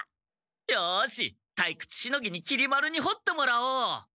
よしたいくつしのぎにきり丸に掘ってもらおう！